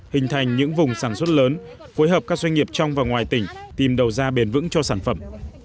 hình thành những vùng sản xuất lớn phối hợp các doanh nghiệp trong và ngoài tỉnh tìm đầu ra bền vững cho sản phẩm